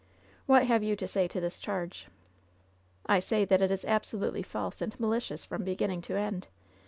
What have you to say to this charge ?" "I say that it is absolutely false and malicious from beginning to end!